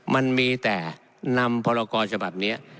มันมีแต่นำพรกรฉบับนี้